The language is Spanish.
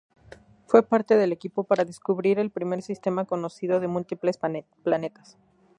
Fue parte del equipo para descubrir el primer sistema conocido de múltiples planetas.